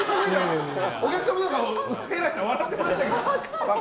お客さんもヘラヘラ笑ってましたけど。